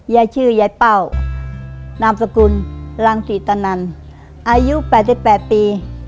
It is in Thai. ยายชื่อยายเป้านามสกุลรังศรีตนันอายุ๘๘ปี